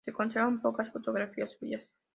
Se conservan pocas fotografías suyas.